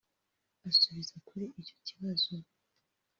Asubiza kuri icyo kibazo